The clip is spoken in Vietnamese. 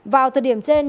vào thời điểm trước